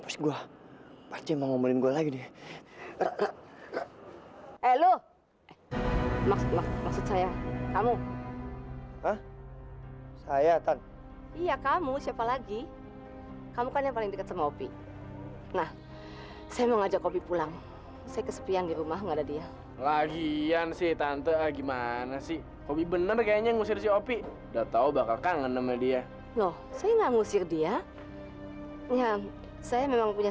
saya harus berterima kasih karena